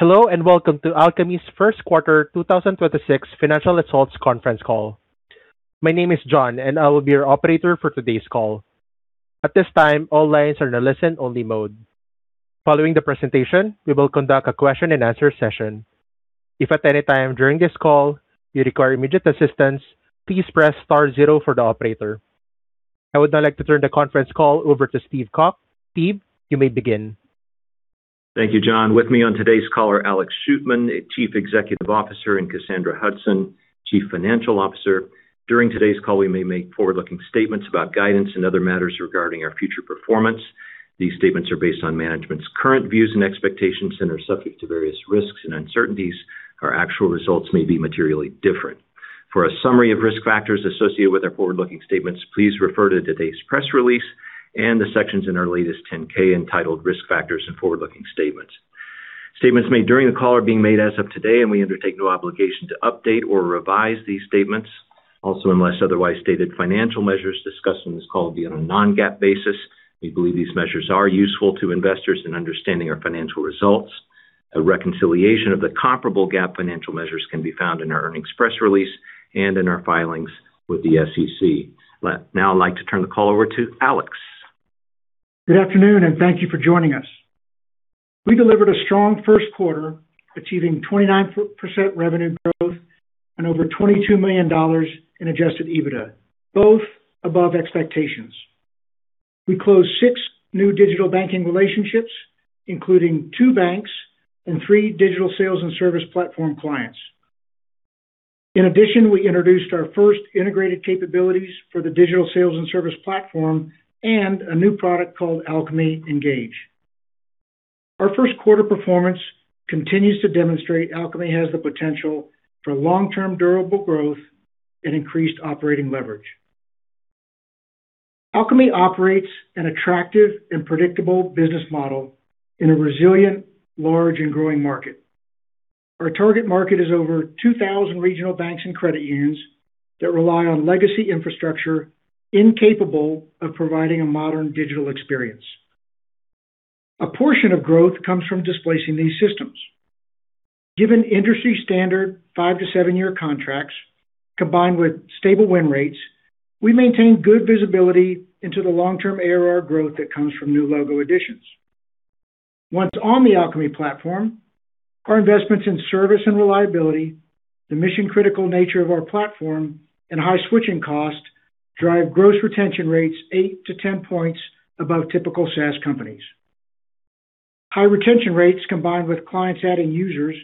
Hello, and welcome to Alkami's first quarter 2026 financial results conference call. My name is John, and I will be your operator for today's call. At this time, all lines are in a listen-only mode. Following the presentation, we will conduct a question and answer session. If at any time during this call you require immediate assistance, please press Star zero for the operator. I would now like to turn the conference call over to Steve Calk. Steve, you may begin. Thank you, John. With me on today's call are Alex Shootman, Chief Executive Officer, and Cassandra Hudson, Chief Financial Officer. During today's call, we may make forward-looking statements about guidance and other matters regarding our future performance. These statements are based on management's current views and expectations and are subject to various risks and uncertainties. Our actual results may be materially different. For a summary of risk factors associated with our forward-looking statements, please refer to today's press release and the sections in our latest 10-K entitled Risk Factors and Forward-looking Statements. Statements made during the call are being made as of today. We undertake no obligation to update or revise these statements. Unless otherwise stated, financial measures discussed in this call will be on a non-GAAP basis. We believe these measures are useful to investors in understanding our financial results. A reconciliation of the comparable GAAP financial measures can be found in our earnings press release and in our filings with the SEC. Now I'd like to turn the call over to Alex. Good afternoon, and thank you for joining us. We delivered a strong first quarter, achieving 29% revenue growth and over $22 million in adjusted EBITDA, both above expectations. We closed six new digital banking relationships, including two banks and three Digital Sales & Service Platform clients. In addition, we introduced our first integrated capabilities for the Digital Sales & Service Platform and a new product called Alkami Engage. Our first quarter performance continues to demonstrate Alkami has the potential for long-term durable growth and increased operating leverage. Alkami operates an attractive and predictable business model in a resilient, large and growing market. Our target market is over 2,000 regional banks and credit unions that rely on legacy infrastructure incapable of providing a modern digital experience. A portion of growth comes from displacing these systems. Given industry-standard five to 7-year contracts combined with stable win rates, we maintain good visibility into the long-term ARR growth that comes from new logo additions. Once on the Alkami platform, our investments in service and reliability, the mission-critical nature of our platform and high switching cost drive gross retention rates eight to 10 points above typical SaaS companies. High retention rates, combined with clients adding users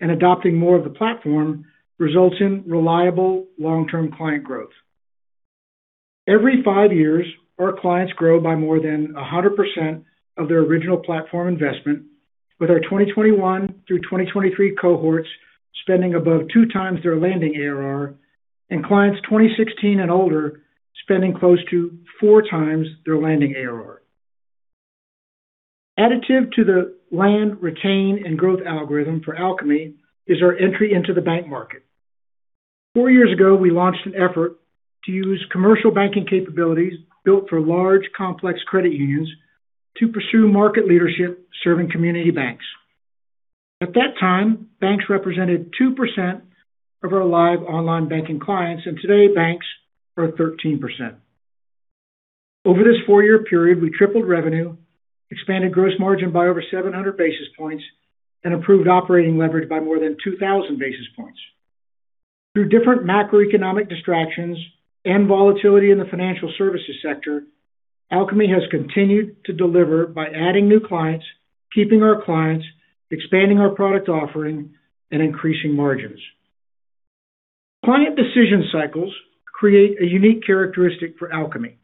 and adopting more of the platform, results in reliable long-term client growth. Every five years, our clients grow by more than 100% of their original platform investment, with our 2021 through 2023 cohorts spending above 2x their landing ARR and clients 2016 and older spending close to 4x their landing ARR. Additive to the land retain and growth algorithm for Alkami is our entry into the bank market. Four years ago, we launched an effort to use commercial banking capabilities built for large, complex credit unions to pursue market leadership serving community banks. At that time, banks represented 2% of our live online banking clients, and today banks are at 13%. Over this four-year period, we tripled revenue, expanded gross margin by over 700 basis points, and improved operating leverage by more than 2,000 basis points. Through different macroeconomic distractions and volatility in the financial services sector, Alkami has continued to deliver by adding new clients, keeping our clients, expanding our product offering and increasing margins. Client decision cycles create a unique characteristic for Alkami.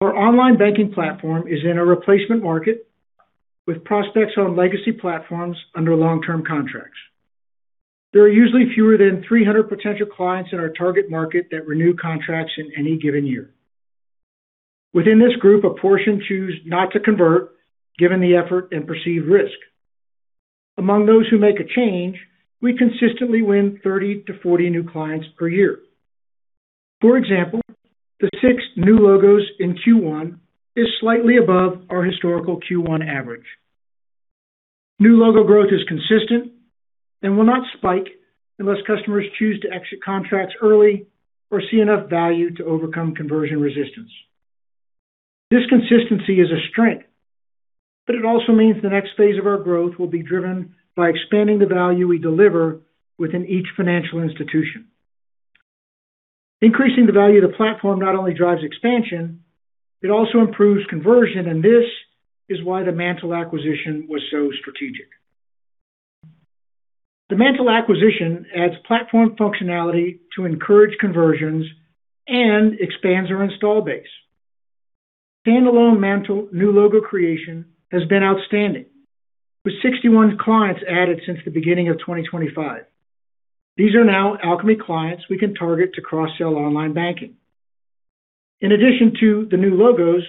Our online banking platform is in a replacement market with prospects on legacy platforms under long-term contracts. There are usually fewer than 300 potential clients in our target market that renew contracts in any given year. Within this group, a portion choose not to convert, given the effort and perceived risk. Among those who make a change, we consistently win 30-40 new clients per year. For example, the 6 new logos in Q1 is slightly above our historical Q1 average. New logo growth is consistent and will not spike unless customers choose to exit contracts early or see enough value to overcome conversion resistance. This consistency is a strength, but it also means the next phase of our growth will be driven by expanding the value we deliver within each financial institution. Increasing the value of the platform not only drives expansion, it also improves conversion, and this is why the MANTL acquisition was so strategic. The MANTL acquisition adds platform functionality to encourage conversions and expands our install base. Standalone MANTL new logo creation has been outstanding, with 61 clients added since the beginning of 2025. These are now Alkami clients we can target to cross-sell online banking. In addition to the new logos,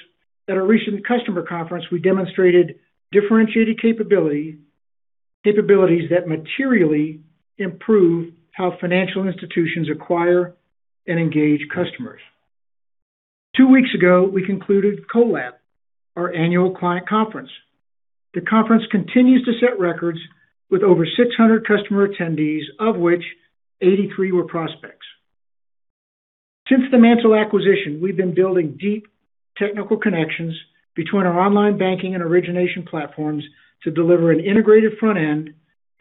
at our recent customer conference we demonstrated differentiated capabilities that materially improve how financial institutions acquire and engage customers. Two weeks ago, we concluded Co:lab, our annual client conference. The conference continues to set records with over 600 customer attendees, of which 83 were prospects. Since the MANTL acquisition, we've been building deep technical connections between our online banking and origination platforms to deliver an integrated front end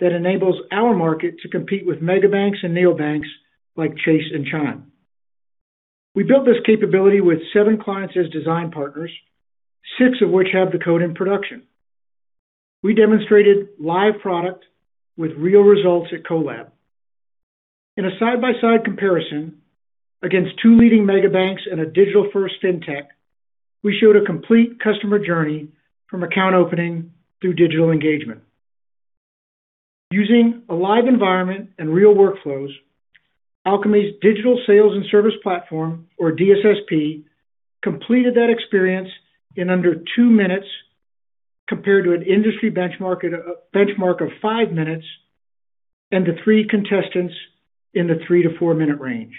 that enables our market to compete with mega banks and neo banks like Chase and Chime. We built this capability with seven clients as design partners, six of which have the code in production. We demonstrated live product with real results at Co:lab. In a side-by-side comparison against two leading mega banks and a digital-first fintech, we showed a complete customer journey from account opening through digital engagement. Using a live environment and real workflows, Alkami's Digital Sales & Service Platform, or DSSP, completed that experience in under two minutes compared to an industry benchmark of five minutes and to three contestants in the 3-4 minute range.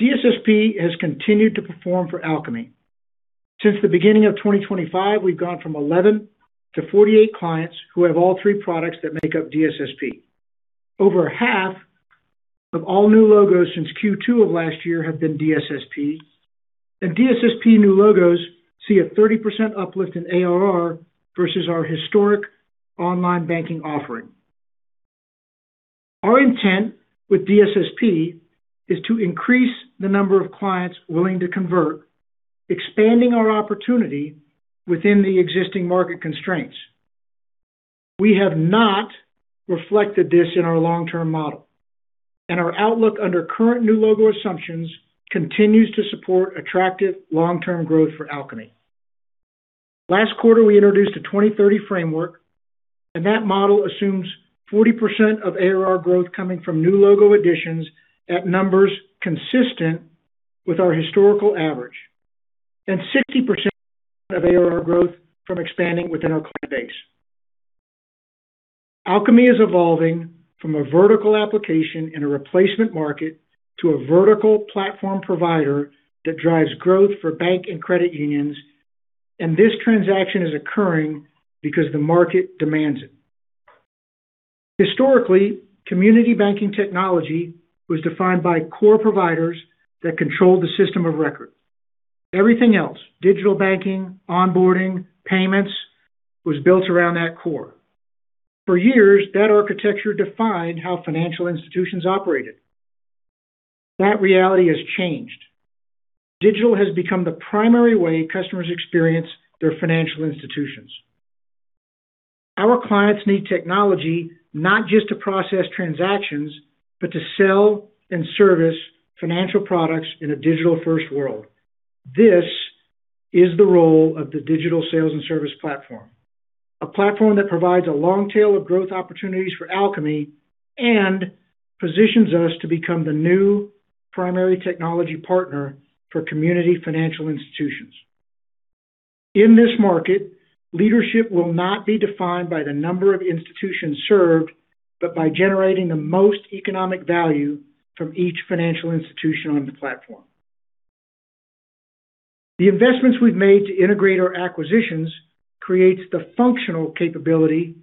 DSSP has continued to perform for Alkami. Since the beginning of 2025, we've gone from 11 to 48 clients who have all 3 products that make up DSSP. Over half of all new logos since Q2 of last year have been DSSP. DSSP new logos see a 30% uplift in ARR versus our historic online banking offering. Our intent with DSSP is to increase the number of clients willing to convert, expanding our opportunity within the existing market constraints. We have not reflected this in our long-term model, and our outlook under current new logo assumptions continues to support attractive long-term growth for Alkami. Last quarter, we introduced a 2030 framework, and that model assumes 40% of ARR growth coming from new logo additions at numbers consistent with our historical average and 60% of ARR growth from expanding within our client base. Alkami is evolving from a vertical application in a replacement market to a vertical platform provider that drives growth for bank and credit unions, and this transaction is occurring because the market demands it. Historically, community banking technology was defined by core providers that controlled the system of record. Everything else, digital banking, onboarding, payments, was built around that core. For years, that architecture defined how financial institutions operated. That reality has changed. Digital has become the primary way customers experience their financial institutions. Our clients need technology not just to process transactions, but to sell and service financial products in a digital-first world. This is the role of the Digital Sales & Service Platform, a platform that provides a long tail of growth opportunities for Alkami and positions us to become the new primary technology partner for community financial institutions. In this market, leadership will not be defined by the number of institutions served, but by generating the most economic value from each financial institution on the platform. The investments we've made to integrate our acquisitions creates the functional capabilities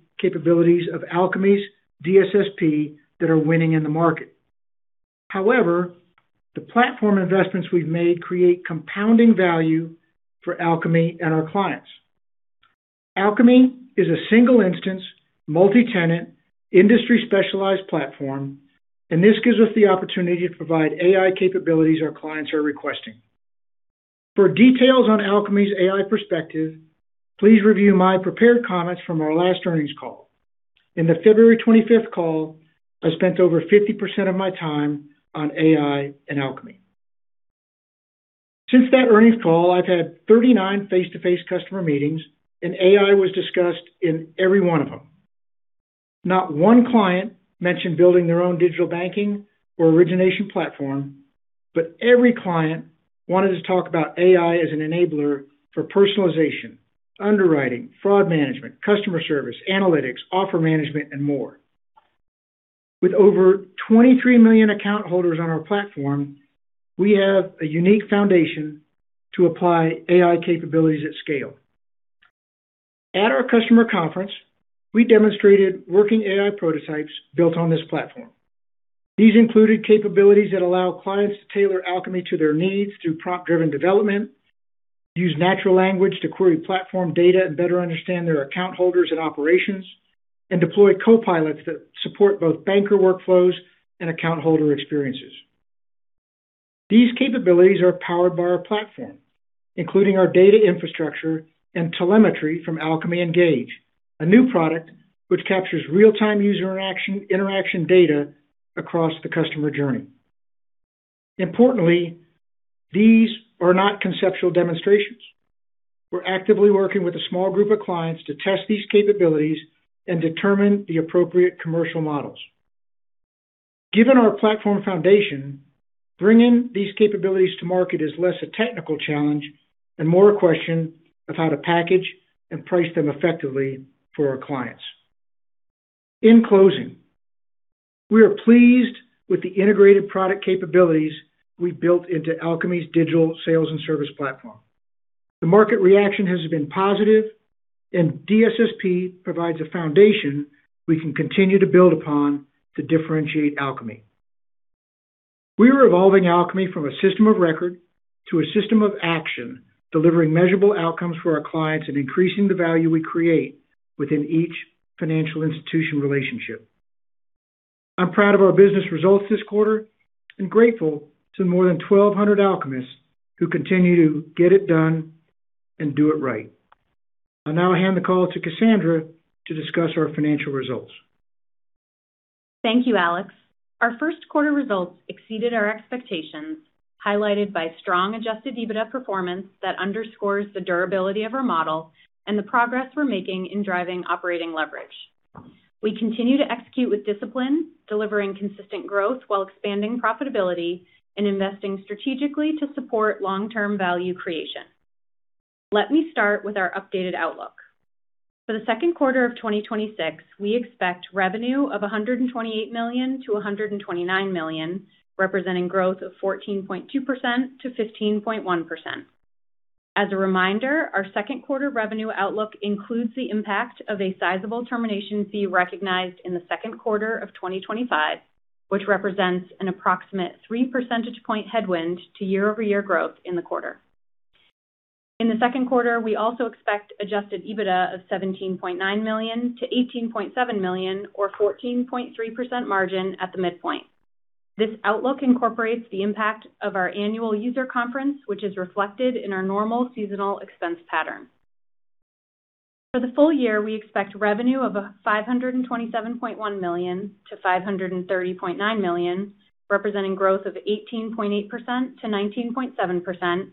of Alkami's DSSP that are winning in the market. However, the platform investments we've made create compounding value for Alkami and our clients. Alkami is a single instance, multi-tenant, industry specialized platform, and this gives us the opportunity to provide AI capabilities our clients are requesting. For details on Alkami's AI perspective, please review my prepared comments from our last earnings call. In the February 25th call, I spent over 50% of my time on AI and Alkami. Since that earnings call, I've had 39 face-to-face customer meetings, and AI was discussed in every one of them. Not one client mentioned building their own digital banking or origination platform, but every client wanted to talk about AI as an enabler for personalization, underwriting, fraud management, customer service, analytics, offer management, and more. With over 23 million account holders on our platform, we have a unique foundation to apply AI capabilities at scale. At our customer conference, we demonstrated working AI prototypes built on this platform. These included capabilities that allow clients to tailor Alkami to their needs through prompt-driven development, use natural language to query platform data and better understand their account holders and operations, and deploy co-pilots that support both banker workflows and account holder experiences. These capabilities are powered by our platform, including our data infrastructure and telemetry from Alkami Engage, a new product which captures real-time user interaction data across the customer journey. Importantly, these are not conceptual demonstrations. We're actively working with a small group of clients to test these capabilities and determine the appropriate commercial models. Given our platform foundation, bringing these capabilities to market is less a technical challenge and more a question of how to package and price them effectively for our clients. In closing, we are pleased with the integrated product capabilities we built into Alkami's Digital Sales & Service Platform. The market reaction has been positive. DSSP provides a foundation we can continue to build upon to differentiate Alkami. We are evolving Alkami from a system of record to a system of action, delivering measurable outcomes for our clients and increasing the value we create within each financial institution relationship. I'm proud of our business results this quarter and grateful to more than 1,200 Alkamists who continue to get it done and do it right. I'll now hand the call to Cassandra to discuss our financial results. Thank you, Alex. Our first quarter results exceeded our expectations, highlighted by strong adjusted EBITDA performance that underscores the durability of our model and the progress we're making in driving operating leverage. We continue to execute with discipline, delivering consistent growth while expanding profitability and investing strategically to support long-term value creation. Let me start with our updated outlook. For the second quarter of 2026, we expect revenue of $128 million-$129 million, representing growth of 14.2%-15.1%. As a reminder, our second quarter revenue outlook includes the impact of a sizable termination fee recognized in the second quarter of 2025, which represents an approximate three percentage point headwind to year-over-year growth in the quarter. In the second quarter, we also expect adjusted EBITDA of $17.9 million-$18.7 million or 14.3% margin at the midpoint. This outlook incorporates the impact of our annual user conference, which is reflected in our normal seasonal expense pattern. For the full year, we expect revenue of $527.1 million-$530.9 million, representing growth of 18.8%-19.7%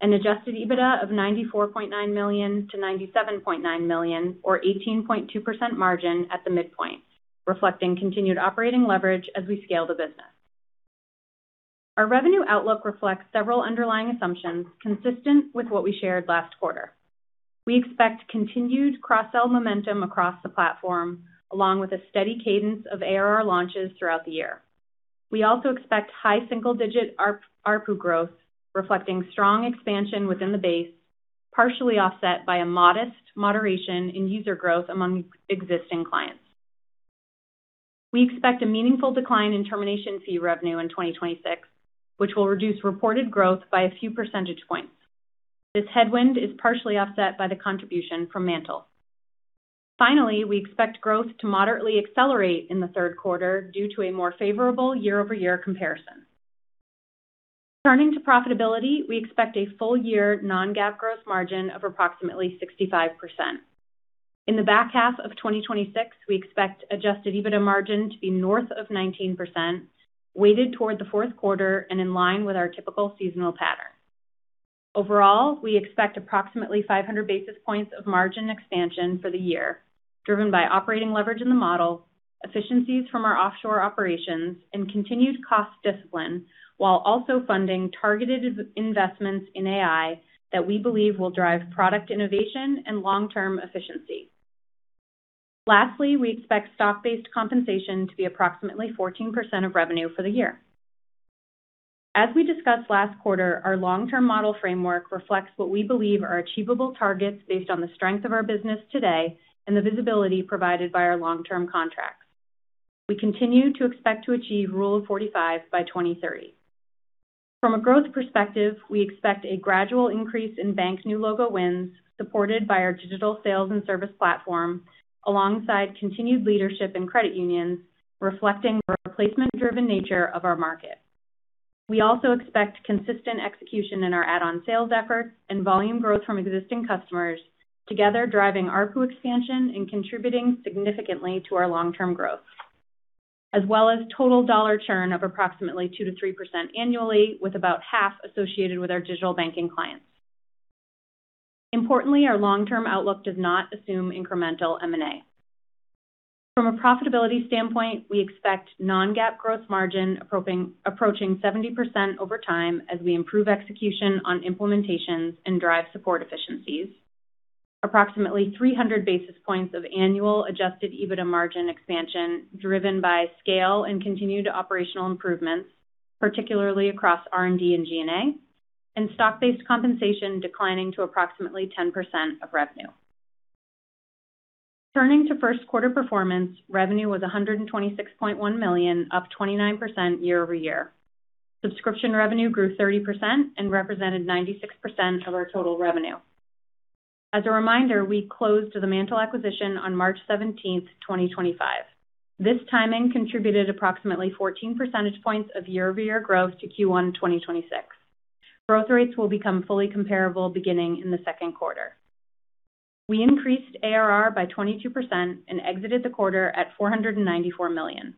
and adjusted EBITDA of $94.9 million-$97.9 million or 18.2% margin at the midpoint, reflecting continued operating leverage as we scale the business. Our revenue outlook reflects several underlying assumptions consistent with what we shared last quarter. We expect continued cross-sell momentum across the platform, along with a steady cadence of ARR launches throughout the year. We also expect high single-digit ARPU growth, reflecting strong expansion within the base, partially offset by a modest moderation in user growth among existing clients. We expect a meaningful decline in termination fee revenue in 2026, which will reduce reported growth by a few percentage points. This headwind is partially offset by the contribution from MANTL. We expect growth to moderately accelerate in the third quarter due to a more favorable year-over-year comparison. Turning to profitability, we expect a full year non-GAAP gross margin of approximately 65%. In the back half of 2026, we expect adjusted EBITDA margin to be north of 19%, weighted toward the fourth quarter and in line with our typical seasonal pattern Overall, we expect approximately 500 basis points of margin expansion for the year, driven by operating leverage in the model, efficiencies from our offshore operations, and continued cost discipline while also funding targeted investments in AI that we believe will drive product innovation and long-term efficiency. Lastly, we expect stock-based compensation to be approximately 14% of revenue for the year. As we discussed last quarter, our long-term model framework reflects what we believe are achievable targets based on the strength of our business today and the visibility provided by our long-term contracts. We continue to expect to achieve Rule of 45 by 2030. From a growth perspective, we expect a gradual increase in banks new logo wins supported by our Digital Sales & Service Platform alongside continued leadership in credit unions, reflecting the replacement-driven nature of our market. We also expect consistent execution in our add-on sales efforts and volume growth from existing customers together driving ARPU expansion and contributing significantly to our long-term growth. As well as total dollar churn of approximately 2%-3% annually, with about half associated with our digital banking clients. Importantly, our long-term outlook does not assume incremental M&A. From a profitability standpoint, we expect non-GAAP gross margin approaching 70% over time as we improve execution on implementations and drive support efficiencies. Approximately 300 basis points of annual adjusted EBITDA margin expansion driven by scale and continued operational improvements, particularly across R&D and G&A, and stock-based compensation declining to approximately 10% of revenue. Turning to first quarter performance, revenue was $126.1 million, up 29% year-over-year. Subscription revenue grew 30% and represented 96% of our total revenue. As a reminder, we closed the MANTL acquisition on March 17th, 2025. This timing contributed approximately 14 percentage points of year-over-year growth to Q1 2026. Growth rates will become fully comparable beginning in the second quarter. We increased ARR by 22% and exited the quarter at $494 million.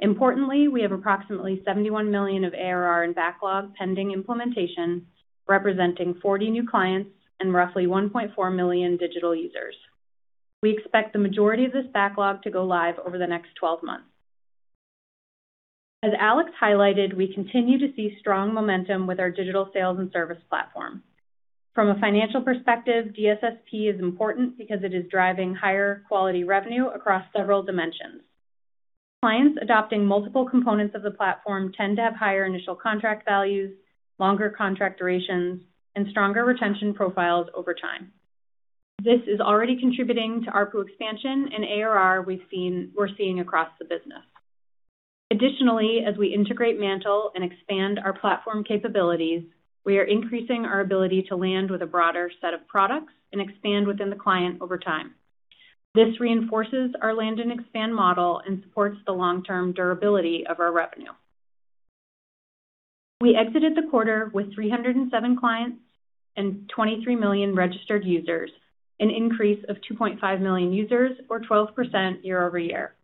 Importantly, we have approximately $71 million of ARR in backlog pending implementation, representing 40 new clients and roughly 1.4 million digital users. We expect the majority of this backlog to go live over the next 12 months. As Alex highlighted, we continue to see strong momentum with our Digital Sales & Service Platform. From a financial perspective, DSSP is important because it is driving higher quality revenue across several dimensions. Clients adopting multiple components of the platform tend to have higher initial contract values, longer contract durations, and stronger retention profiles over time. This is already contributing to ARPU expansion and ARR we're seeing across the business. Additionally, as we integrate MANTL and expand our platform capabilities, we are increasing our ability to land with a broader set of products and expand within the client over time. This reinforces our land and expand model and supports the long-term durability of our revenue. We exited the quarter with 307 clients and 23 million registered users, an increase of 2.5 million users or 12% year-over-year.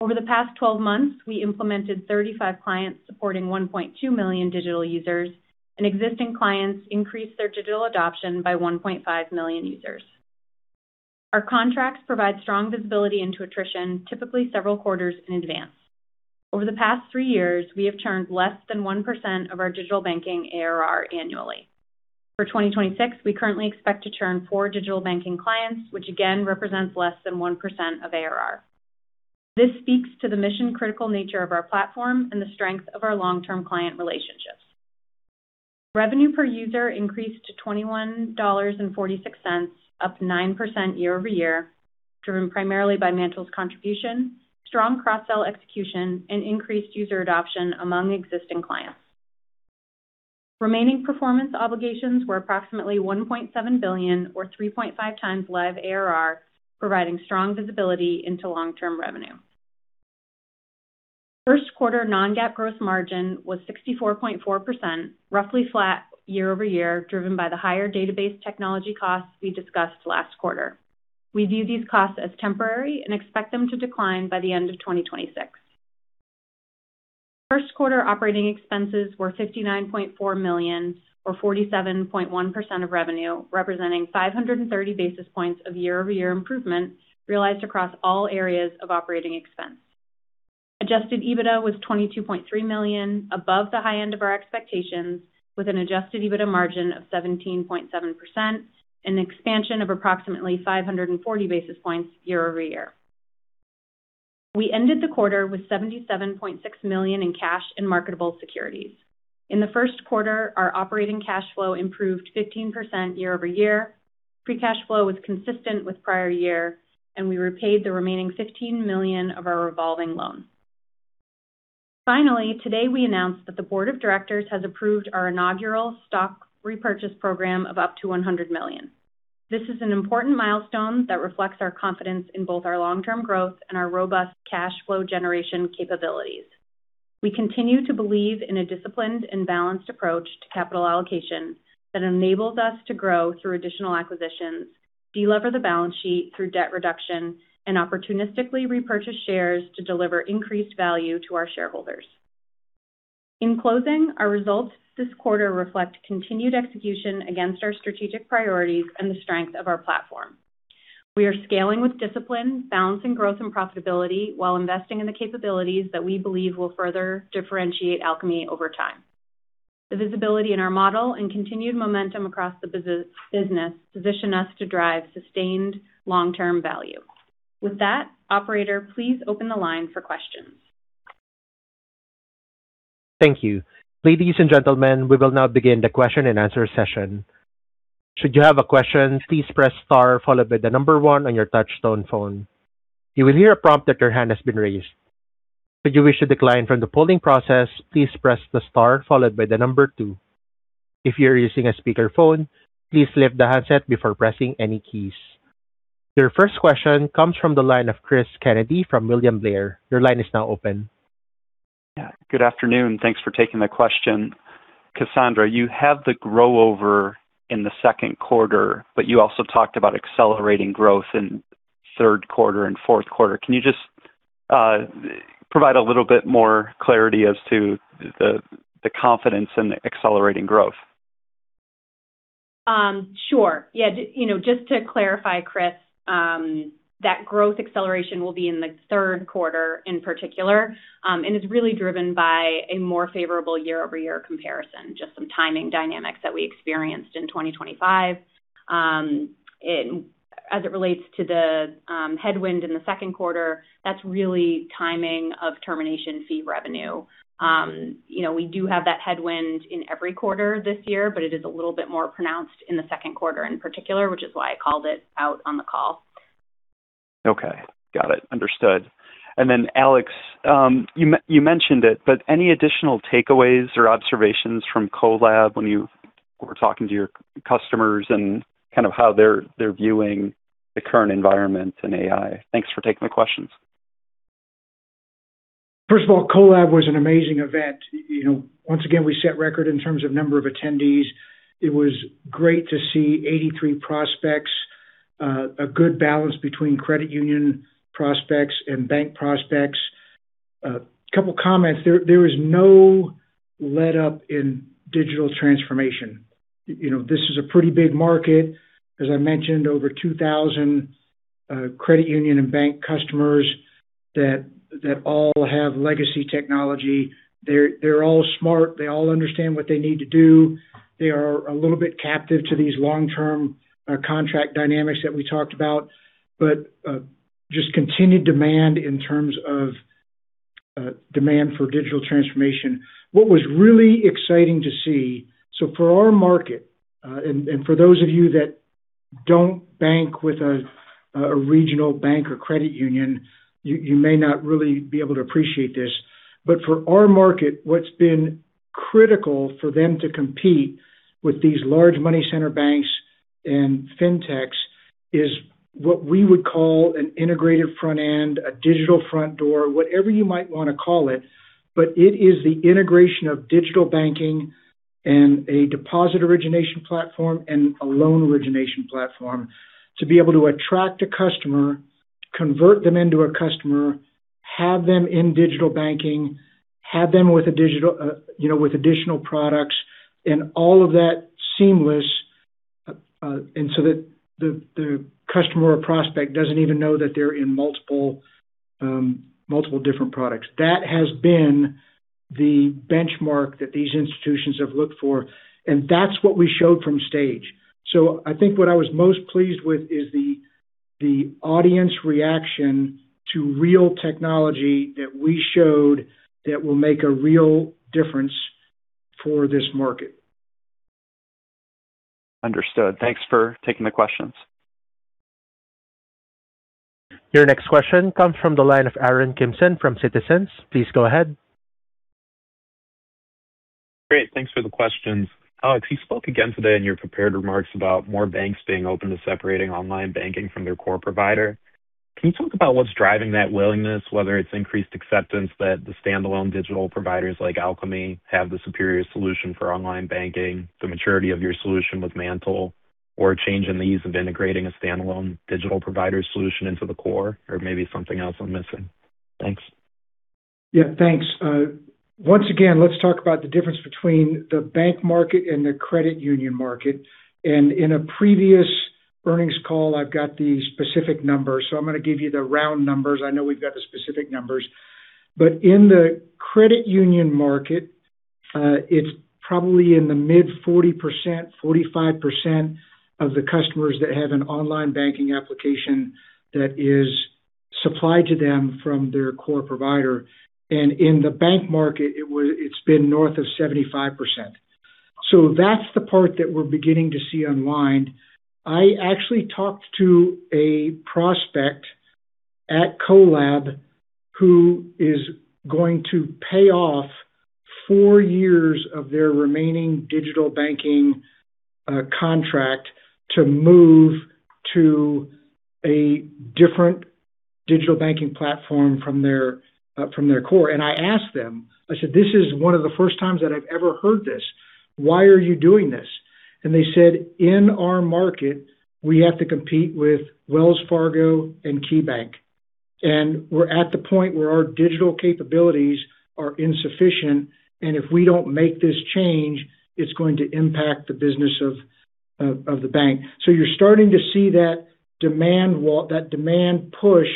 Over the past 12 months, we implemented 35 clients supporting 1.2 million digital users, and existing clients increased their digital adoption by 1.5 million users. Our contracts provide strong visibility into attrition, typically several quarters in advance. Over the past three years, we have churned less than 1% of our digital banking ARR annually. For 2026, we currently expect to churn four digital banking clients, which again represents less than 1% of ARR. This speaks to the mission-critical nature of our platform and the strength of our long-term client relationships. Revenue per user increased to $21.46, up 9% year-over-year, driven primarily by MANTL's contribution, strong cross-sell execution, and increased user adoption among existing clients. Remaining performance obligations were approximately $1.7 billion or 3.5x live ARR, providing strong visibility into long-term revenue. First quarter non-GAAP gross margin was 64.4%, roughly flat year-over-year, driven by the higher database technology costs we discussed last quarter. We view these costs as temporary and expect them to decline by the end of 2026. First quarter operating expenses were $59.4 million or 47.1% of revenue, representing 530 basis points of year-over-year improvement realized across all areas of operating expense. Adjusted EBITDA was $22.3 million above the high end of our expectations, with an Adjusted EBITDA margin of 17.7% and expansion of approximately 540 basis points year-over-year. We ended the quarter with $77.6 million in cash and marketable securities. In the first quarter, our operating cash flow improved 15% year-over-year. Free cash flow was consistent with prior year, and we repaid the remaining $15 million of our revolving loan. Finally, today we announced that the board of directors has approved our inaugural stock repurchase program of up to $100 million. This is an important milestone that reflects our confidence in both our long-term growth and our robust cash flow generation capabilities. We continue to believe in a disciplined and balanced approach to capital allocation that enables us to grow through additional acquisitions, delever the balance sheet through debt reduction, and opportunistically repurchase shares to deliver increased value to our shareholders. In closing, our results this quarter reflect continued execution against our strategic priorities and the strength of our platform. We are scaling with discipline, balancing growth and profitability while investing in the capabilities that we believe will further differentiate Alkami over time. The visibility in our model and continued momentum across the business position us to drive sustained long-term value. With that, operator, please open the line for questions. Thank you. Ladies and gentlemen, we will now begin the question-and-answer session. Your first question comes from the line of Cris Kennedy from William Blair. Your line is now open. Good afternoon. Thanks for taking the question. Cassandra, you have the grow over in the second quarter, but you also talked about accelerating growth in third quarter and fourth quarter. Can you just provide a little bit more clarity as to the confidence in accelerating growth? Sure. Yeah, you know, just to clarify, Cris, that growth acceleration will be in the third quarter in particular, and is really driven by a more favorable year-over-year comparison, just some timing dynamics that we experienced in 2025. As it relates to the headwind in the second quarter, that's really timing of termination fee revenue. You know, we do have that headwind in every quarter this year, but it is a little bit more pronounced in the second quarter in particular, which is why I called it out on the call. Okay. Got it. Understood. Alex, you mentioned it, but any additional takeaways or observations from Co:lab when you were talking to your customers and kind of how they're viewing the current environment and AI? Thanks for taking the questions. First of all, Co:lab was an amazing event. You know, once again, we set record in terms of number of attendees. It was great to see 83 prospects, a good balance between credit union prospects and bank prospects. A couple comments. There was no let up in digital transformation. You know, this is a pretty big market. As I mentioned, over 2,000 credit union and bank customers that all have legacy technology. They're all smart. They all understand what they need to do. They are a little bit captive to these long-term contract dynamics that we talked about. Just continued demand in terms of demand for digital transformation. What was really exciting to see. For our market, and for those of you that don't bank with a regional bank or credit union, you may not really be able to appreciate this. For our market, what's been critical for them to compete with these large money center banks and fintechs is what we would call an integrated front end, a digital front door, whatever you might want to call it. It is the integration of digital banking and a deposit origination platform and a loan origination platform to be able to attract a customer, convert them into a customer, have them in digital banking, have them with a digital, you know, with additional products and all of that seamless, and so that the customer or prospect doesn't even know that they're in multiple different products. That has been the benchmark that these institutions have looked for, and that's what we showed from stage. I think what I was most pleased with is the audience reaction to real technology that we showed that will make a real difference for this market. Understood. Thanks for taking the questions. Your next question comes from the line of Aaron Kimson from Citizens. Please go ahead. Great. Thanks for the questions. Alex, you spoke again today in your prepared remarks about more banks being open to separating online banking from their core provider. Can you talk about what's driving that willingness, whether it's increased acceptance that the standalone digital providers like Alkami have the superior solution for online banking, the maturity of your solution with MANTL, or a change in the ease of integrating a standalone digital provider solution into the core, or maybe something else I'm missing? Thanks. Thanks. Once again, let's talk about the difference between the bank market and the credit union market. In a previous earnings call, I've got the specific numbers, so I'm gonna give you the round numbers. I know we've got the specific numbers. In the credit union market, it's probably in the mid 40%, 45% of the customers that have an online banking application that is supplied to them from their core provider. In the bank market, it's been north of 75%. That's the part that we're beginning to see unwind. I actually talked to a prospect at CoLab who is going to pay off four years of their remaining digital banking contract to move to a different digital banking platform from their from their core. I asked them, I said, "This is one of the first times that I've ever heard this. Why are you doing this?" They said, "In our market, we have to compete with Wells Fargo and KeyBank, and we're at the point where our digital capabilities are insufficient, and if we don't make this change, it's going to impact the business of the bank." You're starting to see that demand push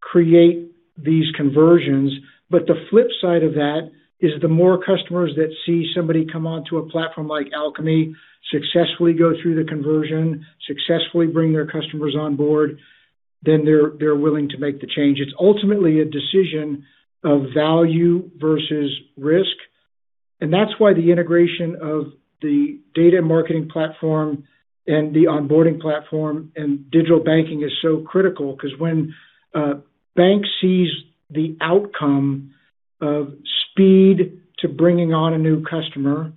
create these conversions. The flip side of that is the more customers that see somebody come onto a platform like Alkami successfully go through the conversion, successfully bring their customers on board, then they're willing to make the change. It's ultimately a decision of value versus risk. That's why the integration of the data marketing platform and the onboarding platform and digital banking is so critical because when a bank sees the outcome of speed to bringing on a new customer,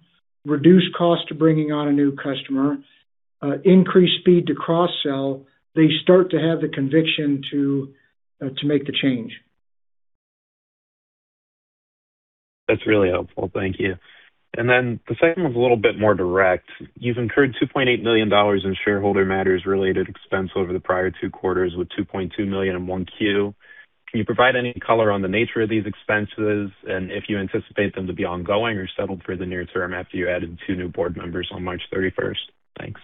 reduced cost to bringing on a new customer, increased speed to cross-sell, they start to have the conviction to make the change. That's really helpful. Thank you. The second one's a little bit more direct. You've incurred $2.8 million in shareholder matters related expense over the prior two quarters with $2.2 million in one Q. Can you provide any color on the nature of these expenses and if you anticipate them to be ongoing or settled for the near term after you added two new board members on March 31st? Thanks.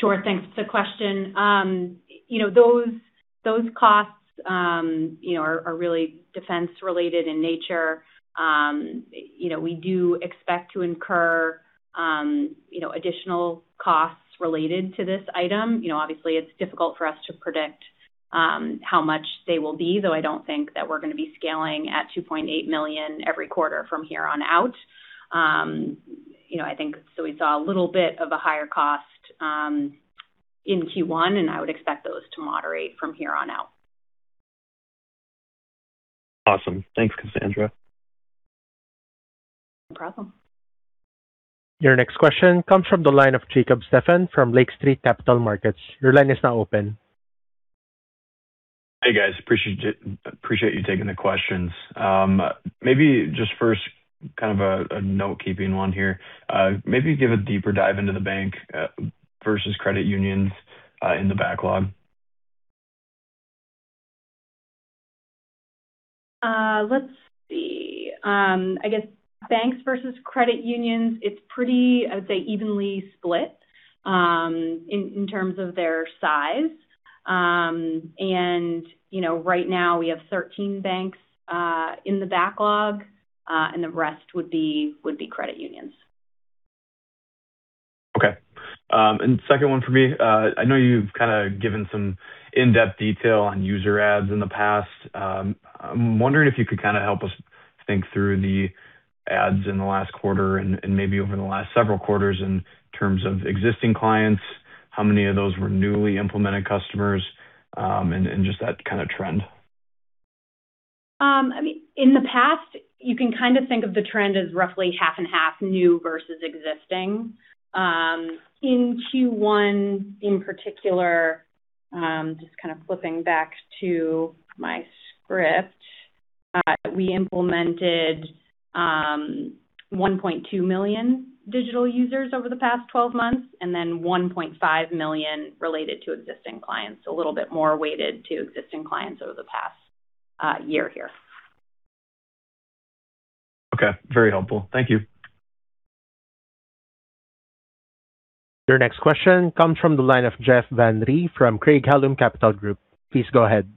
Sure. Thanks for the question. You know, those costs, you know, are really defense related in nature. You know, we do expect to incur, you know, additional costs related to this item. You know, obviously it's difficult for us to predict how much they will be, though I don't think that we're gonna be scaling at $2.8 million every quarter from here on out. You know, I think so we saw a little bit of a higher cost in Q1, and I would expect those to moderate from here on out. Awesome. Thanks, Cassandra. No problem. Your next question comes from the line of Jacob Stephan from Lake Street Capital Markets. Your line is now open. Hey, guys. Appreciate you taking the questions. Maybe just first kind of a note-keeping one here. Maybe give a deeper dive into the bank versus credit unions in the backlog. Let's see. I guess banks versus credit unions, it's pretty, I would say, evenly split, in terms of their size. You know, right now we have 13 banks in the backlog, and the rest would be credit unions. Okay. Second one for me. I know you've kind of given some in-depth detail on user adds in the past. I'm wondering if you could kind of help us think through the adds in the last quarter and maybe over the last several quarters in terms of existing clients, how many of those were newly implemented customers, and just that kind of trend. I mean, in the past, you can kind of think of the trend as roughly half and half new versus existing. In Q1 in particular, just kind of flipping back to my script. We implemented 1.2 million digital users over the past 12 months and then 1.5 million related to existing clients. A little bit more weighted to existing clients over the past year here. Okay. Very helpful. Thank you. Your next question comes from the line of Jeff Van Rhee from Craig-Hallum Capital Group. Please go ahead.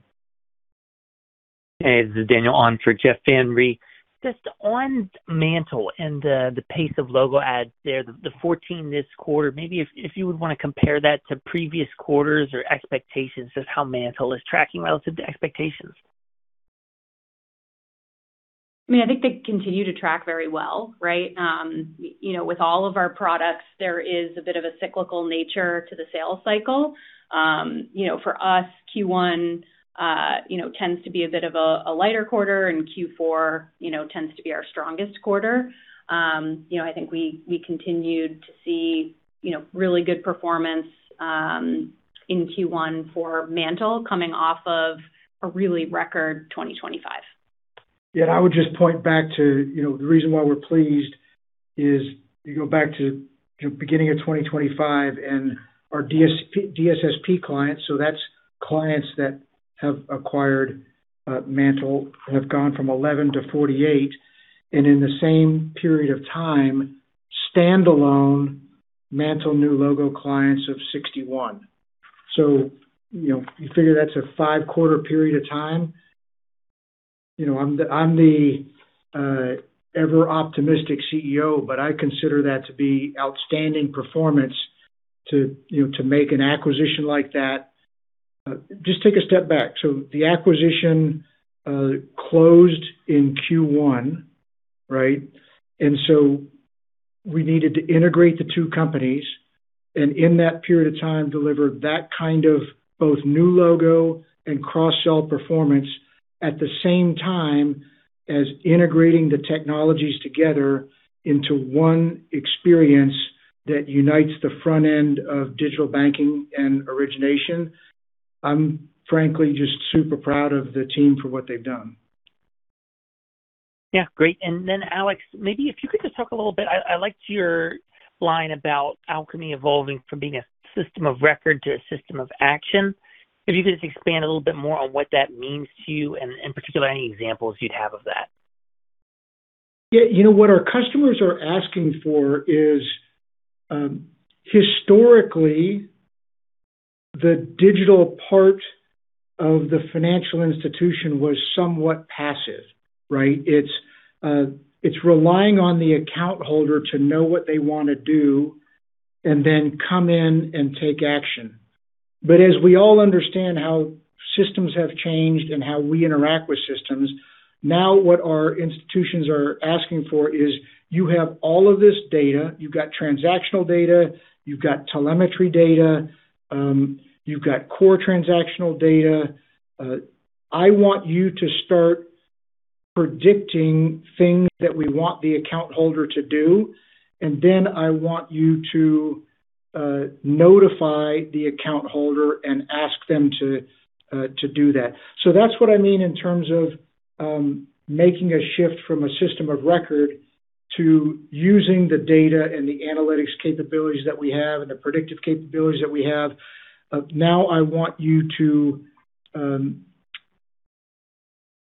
Hey, this is Daniel on for Jeff Van Rhee. Just on MANTL and the pace of logo adds there, the 14 this quarter, maybe if you would want to compare that to previous quarters or expectations, just how MANTL is tracking relative to expectations. I mean, I think they continue to track very well, right? You know, with all of our products there is a bit of a cyclical nature to the sales cycle. You know, for us, Q one, you know, tends to be a bit of a lighter quarter and Q four, you know, tends to be our strongest quarter. You know, I think we continued to see, you know, really good performance, in Q one for MANTL coming off of a really record 2025. I would just point back to, you know, the reason why we're pleased is you go back to beginning of 2025 and our DSSP clients, so that's clients that have acquired MANTL have gone from 11 to 48. In the same period of time, standalone MANTL new logo clients of 61. You know, you figure that's a 5-quarter period of time. You know, I'm the ever-optimistic CEO, but I consider that to be outstanding performance to, you know, to make an acquisition like that. Just take a step back. The acquisition closed in Q1, right? We needed to integrate the two companies, and in that period of time delivered that kind of both new logo and cross-sell performance at the same time as integrating the technologies together into one experience that unites the front end of digital banking and origination. I'm frankly just super proud of the team for what they've done. Yeah. Great. Alex, maybe if you could just talk a little bit. I liked your line about Alkami evolving from being a system of record to a system of action. If you could just expand a little bit more on what that means to you and in particular any examples you'd have of that. Yeah. You know, what our customers are asking for is, historically the digital part of the financial institution was somewhat passive, right? It's relying on the account holder to know what they want to do and then come in and take action. As we all understand how systems have changed and how we interact with systems, now what our institutions are asking for is, "You have all of this data. You've got transactional data, you've got telemetry data, you've got core transactional data. I want you to start predicting things that we want the account holder to do, and then I want you to notify the account holder and ask them to do that. That's what I mean in terms of making a shift from a system of record to using the data and the analytics capabilities that we have and the predictive capabilities that we have. Now I want you to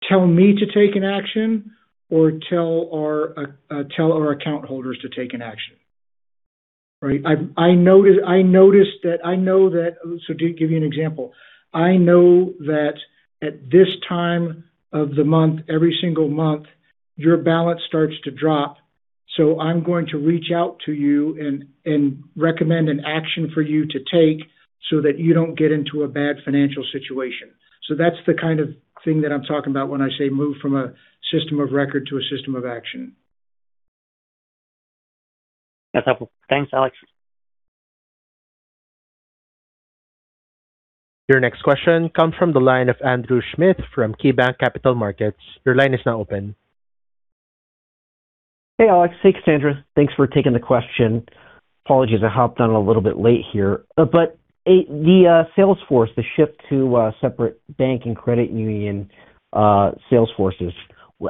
tell me to take an action or tell our account holders to take an action. Right? I notice that I know that. To give you an example: "I know that at this time of the month, every single month, your balance starts to drop, so I'm going to reach out to you and recommend an action for you to take so that you don't get into a bad financial situation." That's the kind of thing that I'm talking about when I say move from a system of record to a system of action. That's helpful. Thanks, Alex. Your next question comes from the line of Andrew Smith from KeyBanc Capital Markets. Your line is now open. Hey, Alex. Hey, Cassandra. Thanks for taking the question. Apologies, I hopped on a little bit late here. The sales force, the shift to a separate bank and credit union, sales forces.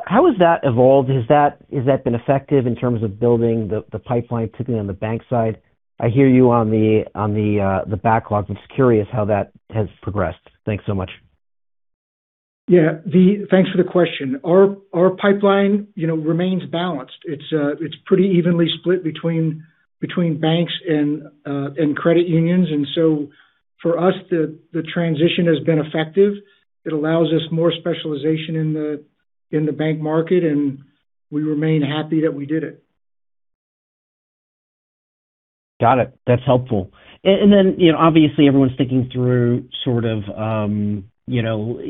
How has that evolved? Has that been effective in terms of building the pipeline, typically on the bank side? I hear you on the backlog. I'm just curious how that has progressed. Thanks so much. Yeah. Thanks for the question. Our pipeline, you know, remains balanced. It's pretty evenly split between banks and credit unions. For us, the transition has been effective. It allows us more specialization in the bank market, and we remain happy that we did it. Got it. That's helpful. You know, obviously everyone's thinking through sort of, you know,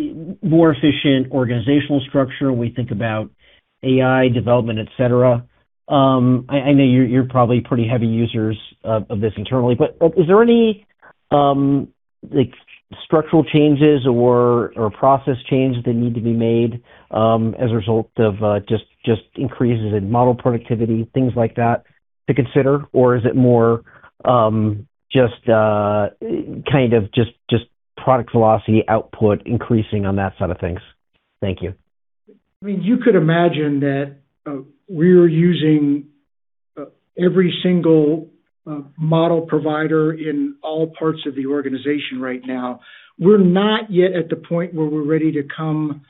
more efficient organizational structure when we think about AI development, et cetera. I know you're probably pretty heavy users of this internally, but is there any like structural changes or process changes that need to be made as a result of just increases in model productivity, things like that to consider? Is it more kind of just product velocity output increasing on that side of things? Thank you. I mean, you could imagine that we're using every single model provider in all parts of the organization right now. We're not yet at the point where we're ready to come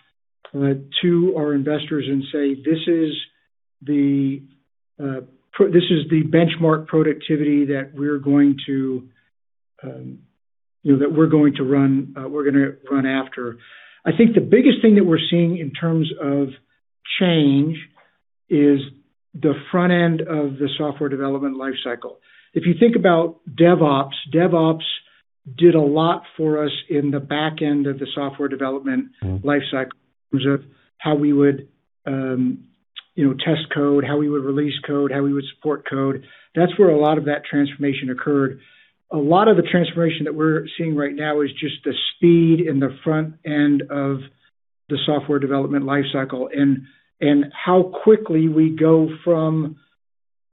to our investors and say, "This is the benchmark productivity that we're going to, you know, run after." I think the biggest thing that we're seeing in terms of change is the front end of the software development life cycle. If you think about DevOps did a lot for us in the back end of the software development- Mm-hmm... life cycle, in terms of how we would, you know, test code, how we would release code, how we would support code. That's where a lot of that transformation occurred. A lot of the transformation that we're seeing right now is just the speed in the front end of the software development life cycle and how quickly we go from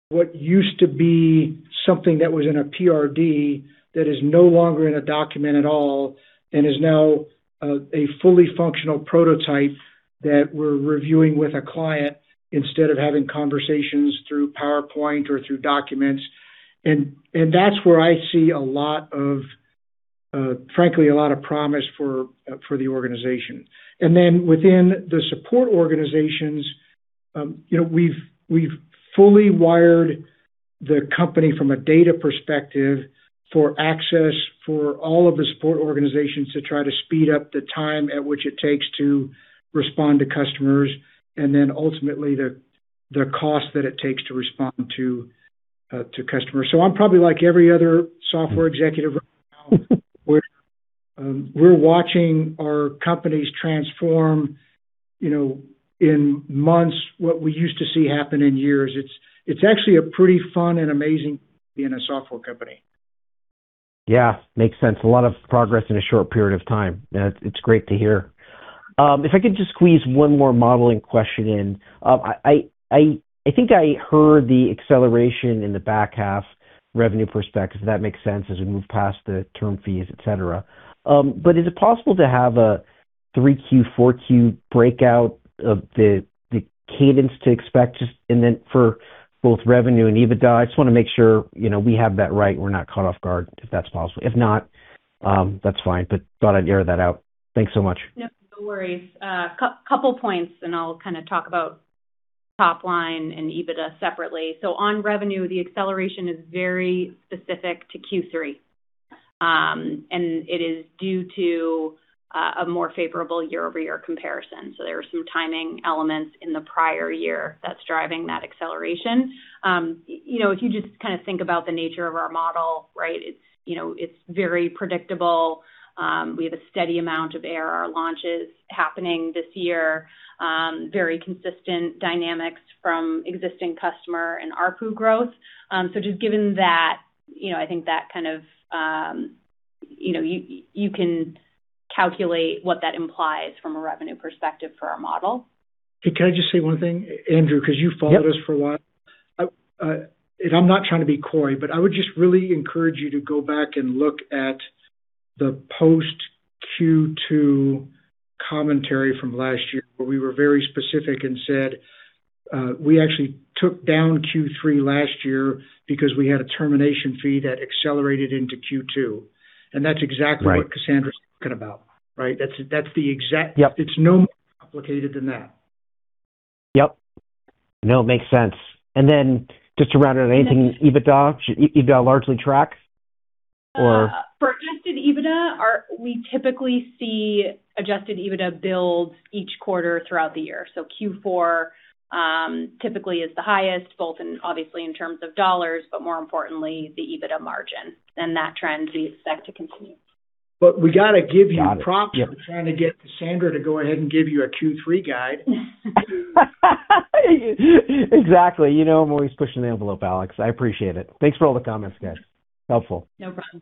what used to be something that was in a PRD that is no longer in a document at all and is now a fully functional prototype that we're reviewing with a client instead of having conversations through PowerPoint or through documents. That's where I see a lot of, frankly, a lot of promise for the organization. Within the support organizations, you know, we've fully wired the company from a data perspective for access for all of the support organizations to try to speed up the time at which it takes to respond to customers, and then ultimately the cost that it takes to respond to customers. I'm probably like every other software executive right now where we're watching our companies transform, you know, in months what we used to see happen in years. It's, it's actually a pretty fun and amazing to be in a software company. Yeah. Makes sense. A lot of progress in a short period of time. It's great to hear. If I could just squeeze one more modeling question in. I think I heard the acceleration in the back half revenue perspective, because that makes sense as we move past the term fees, et cetera. Is it possible to have a 3Q, 4Q breakout of the cadence to expect and then for both revenue and EBITDA? I just wanna make sure, you know, we have that right and we're not caught off guard, if that's possible. If not, that's fine, but thought I'd air that out. Thanks so much. No, no worries. Couple points, and I'll kind of talk about top line and EBITDA separately. On revenue, the acceleration is very specific to Q3. And it is due to a more favorable year-over-year comparison. There are some timing elements in the prior year that's driving that acceleration. You know, if you just kind of think about the nature of our model, right? It's, you know, it's very predictable. We have a steady amount of ARR launches happening this year. Very consistent dynamics from existing customer and ARPU growth. Just given that, you know, I think that kind of, you know, you can calculate what that implies from a revenue perspective for our model. Can I just say one thing, Andrew? Yep. 'Cause you've followed us for a while. I, and I'm not trying to be coy, but I would just really encourage you to go back and look at the post Q2 commentary from last year, where we were very specific and said, we actually took down Q3 last year because we had a termination fee that accelerated into Q2. That's exactly. Right what Cassandra's talking about, right? That's the exact-. Yep. It's no more complicated than that. Yep. No, it makes sense. Just to wrap it up. Next EBITDA? EBITDA largely tracks. For adjusted EBITDA, we typically see adjusted EBITDA builds each quarter throughout the year. Q4 typically is the highest, both in, obviously, in terms of dollars, but more importantly the EBITDA margin. That trend we expect to continue. We gotta give you. Got it. Yep. props for trying to get Cassandra to go ahead and give you a Q3 guide. Exactly. You know I'm always pushing the envelope, Alex. I appreciate it. Thanks for all the comments, guys. Helpful. No problem.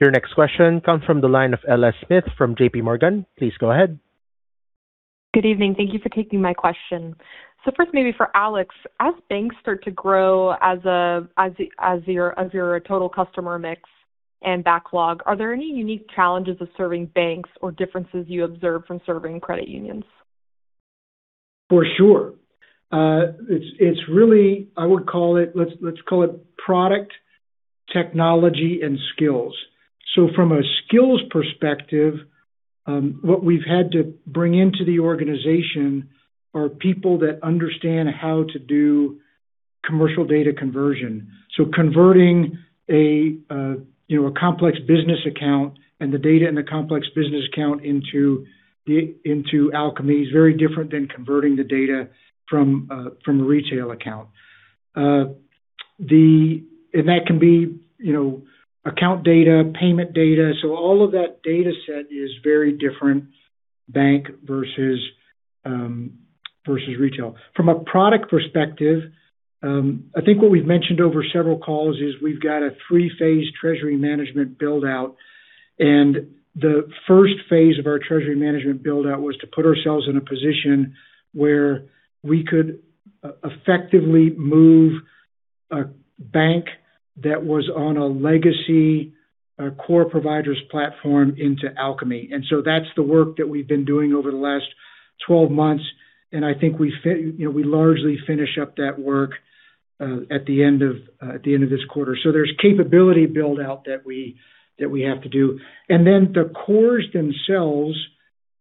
Your next question comes from the line of Ella Smith from JPMorgan. Please go ahead. Good evening. Thank you for taking my question. First maybe for Alex. As banks start to grow as a, as your total customer mix and backlog. Are there any unique challenges of serving banks or differences you observe from serving credit unions? For sure. It's really, I would call it, let's call it product technology and skills. From a skills perspective, what we've had to bring into the organization are people that understand how to do commercial data conversion. Converting a, you know, a complex business account and the data in the complex business account into Alkami is very different than converting the data from a retail account. That can be, you know, account data, payment data. All of that data set is very different, bank versus retail. From a product perspective, I think what we've mentioned over several calls is we've got a 3-phase treasury management build-out. The first phase of our treasury management build-out was to put ourselves in a position where we could effectively move a bank that was on a legacy core provider's platform into Alkami. That's the work that we've been doing over the last 12 months. I think we you know, we largely finish up that work at the end of, at the end of this quarter. There's capability build-out that we have to do. The cores themselves,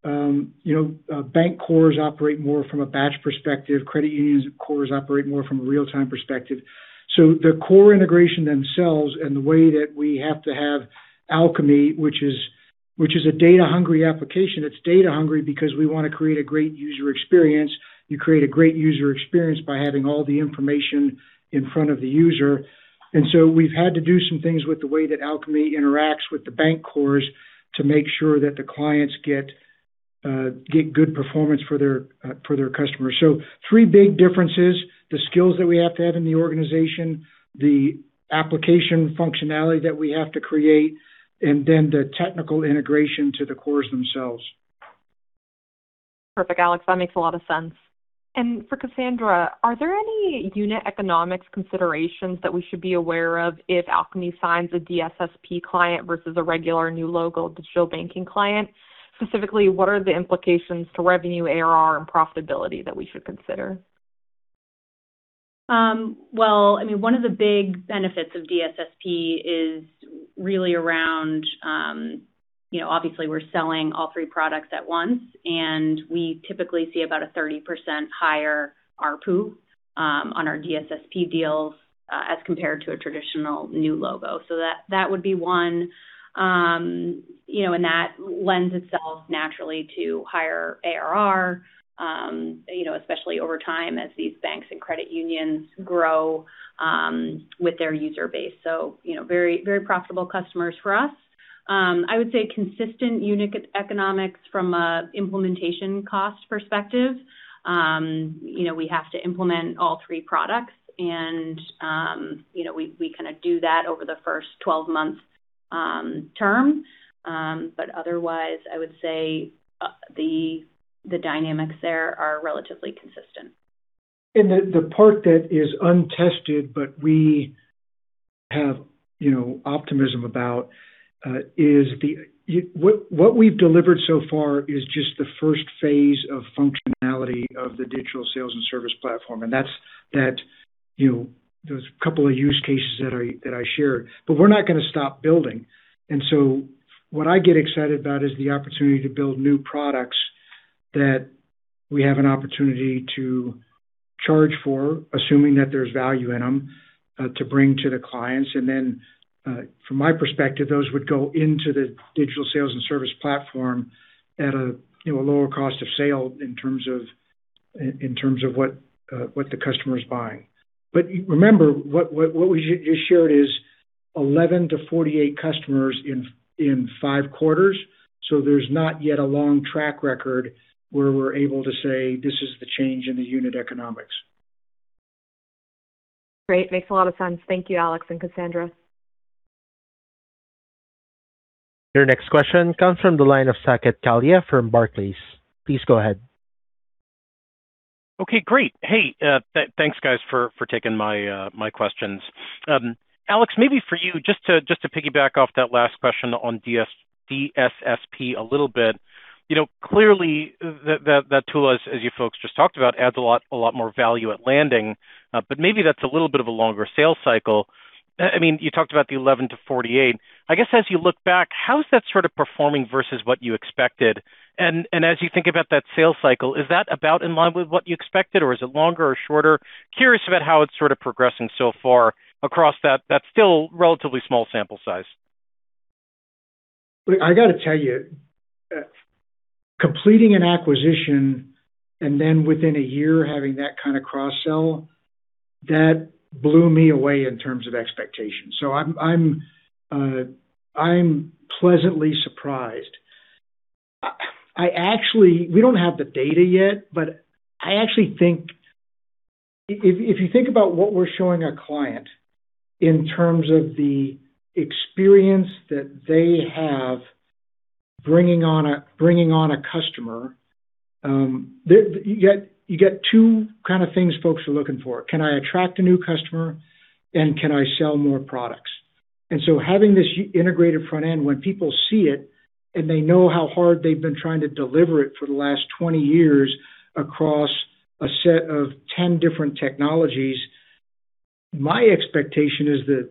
you know, bank cores operate more from a batch perspective. Credit unions cores operate more from a real-time perspective. The core integration themselves and the way that we have to have Alkami, which is a data-hungry application. It's data-hungry because we wanna create a great user experience. You create a great user experience by having all the information in front of the user. We've had to do some things with the way that Alkami interacts with the bank cores to make sure that the clients get good performance for their customers. Three big differences. The skills that we have to have in the organization, the application functionality that we have to create, and then the technical integration to the cores themselves. Perfect, Alex. That makes a lot of sense. For Cassandra, are there any unit economics considerations that we should be aware of if Alkami signs a DSSP client versus a regular new logo digital banking client? Specifically, what are the implications to revenue ARR and profitability that we should consider? Well, I mean, one of the big benefits of DSSP is really around, you know, obviously we're selling all three products at once, and we typically see about a 30% higher ARPU on our DSSP deals as compared to a traditional new logo. That would be 1. You know, that lends itself naturally to higher ARR, you know, especially over time as these banks and credit unions grow with their user base. You know, very, very profitable customers for us. I would say consistent unit economics from a implementation cost perspective. You know, we have to implement all three products and, you know, we kind of do that over the first 12-month term. Otherwise, I would say the dynamics there are relatively consistent. The part that is untested but we have, you know, optimism about, what we've delivered so far is just the first phase of functionality of the Digital Sales & Service Platform, and that's that, you know, those couple of use cases I shared. We're not gonna stop building. What I get excited about is the opportunity to build new products that we have an opportunity to charge for, assuming that there's value in them, to bring to the clients. From my perspective, those would go into the Digital Sales & Service Platform at a, you know, a lower cost of sale in terms of what the customer is buying. Remember, what we just shared is 11 to 48 customers in five quarters. There's not yet a long track record where we're able to say, "This is the change in the unit economics. Great. Makes a lot of sense. Thank you, Alex and Cassandra. Your next question comes from the line of Saket Kalia from Barclays. Please go ahead. Okay, great. Hey, thanks guys for taking my questions. Alex, maybe for you, just to piggyback off that last question on DSSP a little bit. You know, clearly that tool, as you folks just talked about, adds a lot more value at landing. Maybe that's a little bit of a longer sales cycle. I mean, you talked about the 11-48. I guess as you look back, how is that sort of performing versus what you expected? As you think about that sales cycle, is that about in line with what you expected or is it longer or shorter? Curious about how it's sort of progressing so far across that still relatively small sample size. I gotta tell you, completing an acquisition and then within a one year having that kind of cross-sell, that blew me away in terms of expectations. I'm pleasantly surprised. We don't have the data yet, but I actually think... If you think about what we're showing our client in terms of the experience that they have bringing on a customer, you get two kind of things folks are looking for. Can I attract a new customer, and can I sell more products? Having this integrated front end, when people see it, and they know how hard they've been trying to deliver it for the last 20 years across a set of 10 different technologies, my expectation is that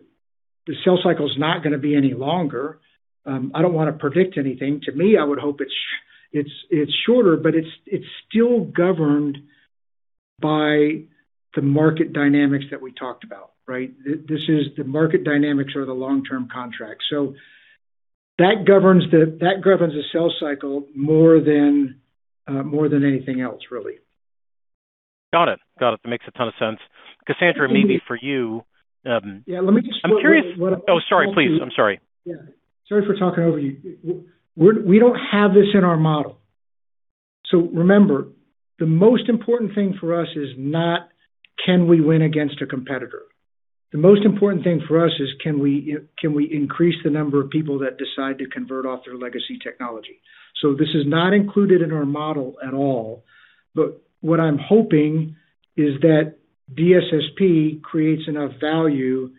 the sales cycle's not gonna be any longer. I don't wanna predict anything. To me, I would hope it's shorter, but it's still governed by the market dynamics that we talked about, right. This is the market dynamics or the long-term contract. That governs the sales cycle more than anything else, really. Got it. That makes a ton of sense. Cassandra, maybe for you. Yeah, let me just- I'm curious. Oh, sorry, please. I'm sorry. Yeah. Sorry for talking over you. We don't have this in our model. Remember, the most important thing for us is not, can we win against a competitor? The most important thing for us is can we increase the number of people that decide to convert off their legacy technology? This is not included in our model at all. What I'm hoping is that DSSP creates enough value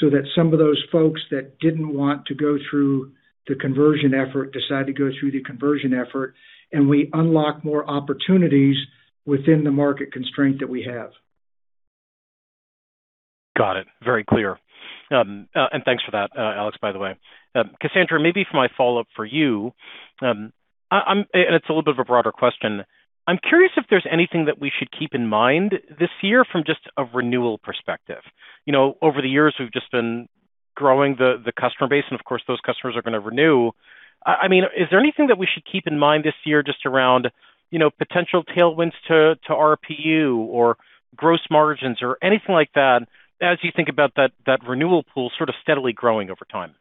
so that some of those folks that didn't want to go through the conversion effort decide to go through the conversion effort, and we unlock more opportunities within the market constraint that we have. Got it. Very clear. Thanks for that, Alex, by the way. Cassandra, maybe for my follow-up for you, I'm and it's a little bit of a broader question. I'm curious if there's anything that we should keep in mind this year from just a renewal perspective. You know, over the years, we've just been growing the customer base, and of course, those customers are gonna renew. I mean, is there anything that we should keep in mind this year just around, you know, potential tailwinds to ARPU or gross margins or anything like that as you think about that renewal pool sort of steadily growing over time?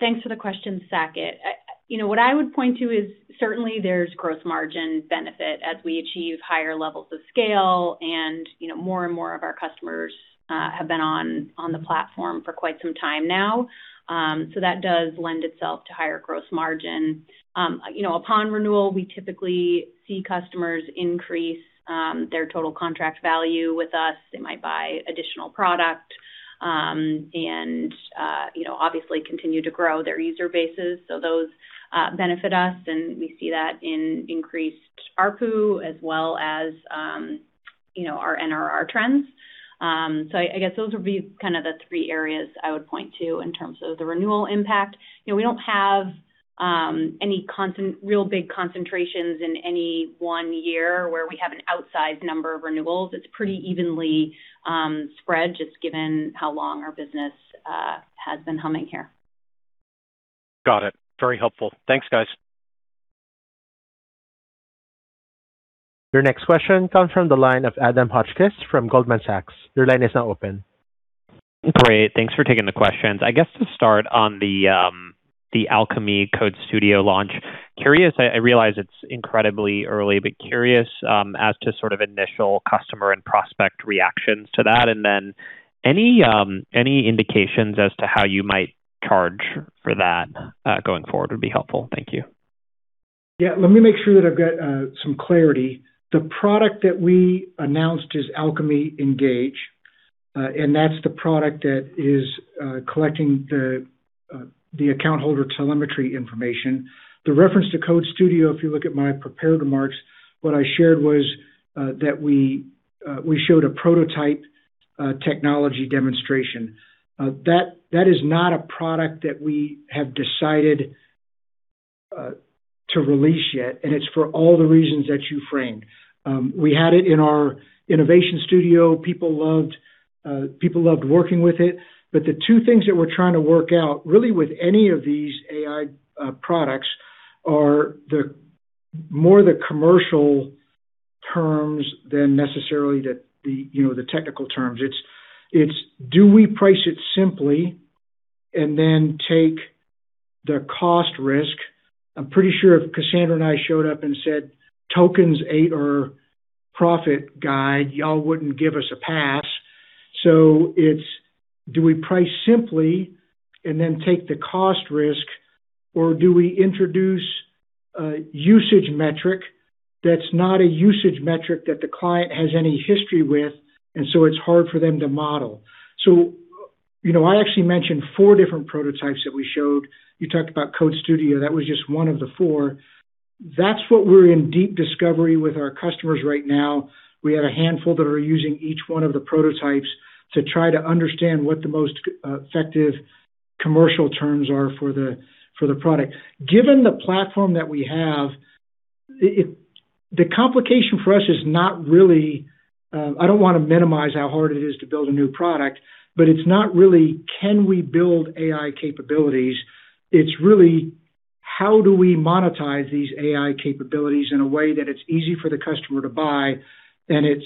thanks for the question, Saket. I, you know, what I would point to is certainly there's gross margin benefit as we achieve higher levels of scale, and, you know, more and more of our customers have been on the platform for quite some time now. That does lend itself to higher gross margin. You know, upon renewal, we typically see customers increase their total contract value with us. They might buy additional product, and, you know, obviously continue to grow their user bases. Those benefit us, and we see that in increased ARPU as well as, you know, our NRR trends. I guess those would be kind of the three areas I would point to in terms of the renewal impact. You know, we don't have any real big concentrations in any one year where we have an outsized number of renewals. It's pretty evenly spread, just given how long our business has been humming here. Got it. Very helpful. Thanks, guys. Your next question comes from the line of Adam Hotchkiss from Goldman Sachs. Your line is now open. Great. Thanks for taking the questions. I guess to start on the Alkami Code Studio launch. Curious, I realize it's incredibly early, but curious, as to sort of initial customer and prospect reactions to that. Any indications as to how you might charge for that going forward would be helpful. Thank you. Yeah. Let me make sure that I've got some clarity. The product that we announced is Alkami Engage, and that's the product that is collecting the account holder telemetry information. The reference to Code Studio, if you look at my prepared remarks, what I shared was that we showed a prototype technology demonstration. That is not a product that we have decided to release yet, and it's for all the reasons that you framed. We had it in our innovation studio. People loved working with it. The two things that we're trying to work out really with any of these AI products are the more the commercial terms than necessarily the, you know, the technical terms. It's do we price it simply and then take the cost risk? I'm pretty sure if Cassandra and I showed up and said tokens are our profit guide, y'all wouldn't give us a pass. It's do we price simply and then take the cost risk, or do we introduce a usage metric that's not a usage metric that the client has any history with, and so it's hard for them to model? You know, I actually mentioned four different prototypes that we showed. You talked about Code Studio. That was just one of the four. That's what we're in deep discovery with our customers right now. We have a handful that are using each one of the prototypes to try to understand what the most effective commercial terms are for the, for the product. Given the platform that we have, The complication for us is not really, I don't wanna minimize how hard it is to build a new product, but it's not really can we build AI capabilities? It's really how do we monetize these AI capabilities in a way that it's easy for the customer to buy and it's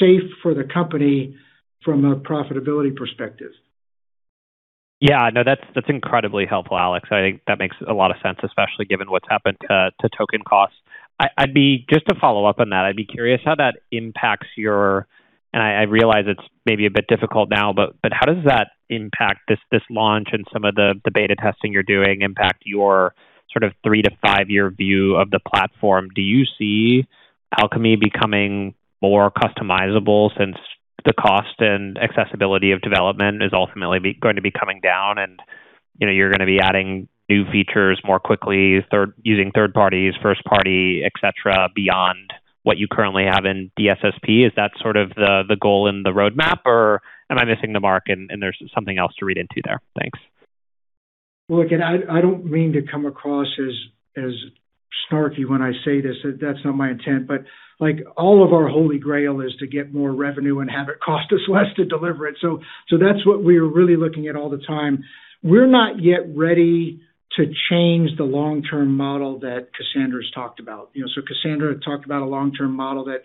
safe for the company from a profitability perspective. Yeah. No, that's incredibly helpful, Alex. I think that makes a lot of sense, especially given what's happened to token costs. Just to follow up on that, I'd be curious how that impacts your. And I realize it's maybe a bit difficult now, but how does that impact this launch and some of the beta testing you're doing impact your sort of three to 5-year view of the platform? Do you see Alkami becoming more customizable since the cost and accessibility of development is ultimately going to be coming down and, you know, you're gonna be adding new features more quickly, using third parties, first party, et cetera, beyond what you currently have in DSSP? Is that sort of the goal in the roadmap, or am I missing the mark and there's something else to read into there? Thanks. Look, I don't mean to come across as snarky when I say this. That's not my intent. Like, all of our holy grail is to get more revenue and have it cost us less to deliver it. That's what we're really looking at all the time. We're not yet ready to change the long-term model that Cassandra's talked about. You know, Cassandra had talked about a long-term model that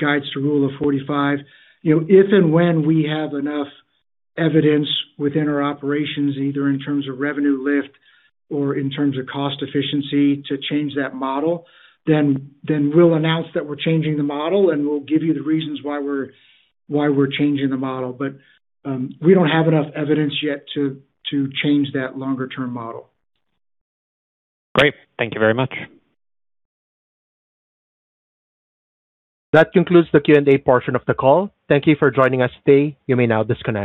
guides the Rule of 45. You know, if and when we have enough evidence within our operations, either in terms of revenue lift or in terms of cost efficiency to change that model, then we'll announce that we're changing the model, and we'll give you the reasons why we're changing the model. We don't have enough evidence yet to change that longer term model. Great. Thank you very much. That concludes the Q&A portion of the call. Thank you for joining us today. You may now disconnect.